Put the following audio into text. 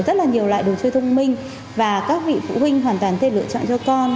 rất là nhiều loại đồ chơi thông minh và các vị phụ huynh hoàn toàn thêm lựa chọn cho con